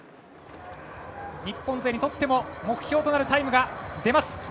日本勢にとっても目標となるタイムが出ます。